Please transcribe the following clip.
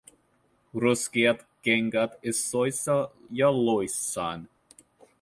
Ruskeat kengät isoissa jaloissaan.